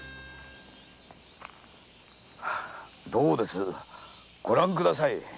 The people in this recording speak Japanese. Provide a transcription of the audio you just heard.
どうですご覧ください。